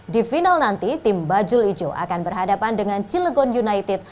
di final nanti tim bajul ijo akan berhadapan dengan cilegon united